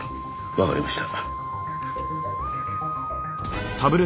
わかりました。